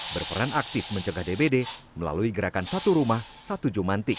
berperan aktif mencegah dbd melalui gerakan satu rumah satu jumantik